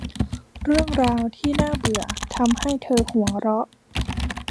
เรื่องราวที่น่าเบื่อทำให้เธอหัวเราะ